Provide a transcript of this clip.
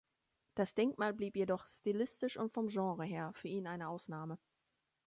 Das Denkmal blieb jedoch stilistisch und vom Genre her für ihn eine Ausnahme.